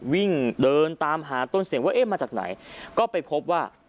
วิ่งเดินตามหาต้นเสียงว่าเอ๊ะมาจากไหนก็ไปพบว่า